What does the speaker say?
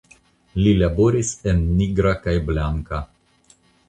Li laboris en nigra kaj blanka.